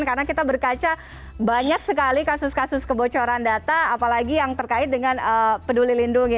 karena kita berkaca banyak sekali kasus kasus kebocoran data apalagi yang terkait dengan peduli lindungi